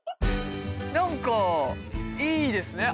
なんかいいですね！